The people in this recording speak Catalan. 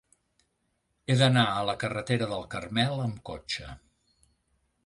He d'anar a la carretera del Carmel amb cotxe.